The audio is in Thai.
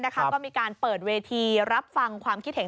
ก็มีการเปิดเวทีรับฟังความคิดเห็น